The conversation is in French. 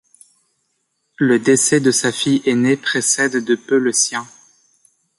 Le décès de sa fille aînée précède de peu le sien.